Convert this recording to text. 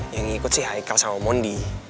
yang ikut sih haikal sama mondi